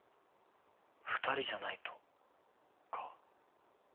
２人じゃないとか。